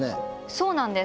そうなんです。